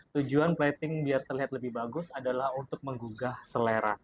tujuan plating biar terlihat lebih bagus adalah untuk menggugah selera